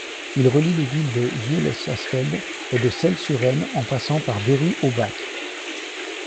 Il relie les villes de Vieux-lès-Asfeld et de Celles-sur-Aisne en passant par Berry-au-Bac.